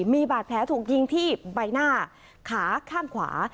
มีบาดแผลถูกยิงที่ใบหน้าขาข้างขวา